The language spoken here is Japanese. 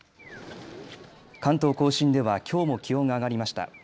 関東甲信ではきょうも気温が上がりました。